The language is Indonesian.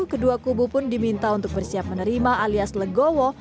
kedua kubu pun diminta untuk bersiap menerima alias legowo